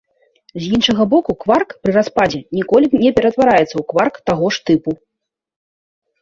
З іншага боку, кварк пры распадзе ніколі не ператвараецца ў кварк таго ж тыпу.